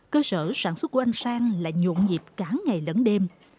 cơ sở sản xuất của anh sang lại nhuộn dịp cả ngày lẫn đêm